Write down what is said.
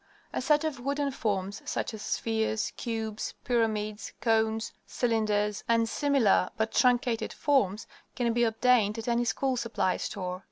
A set of wooden forms, such as spheres, cubes, pyramids, cones, cylinders, and similar, but truncated, forms, can be obtained at any school supply store.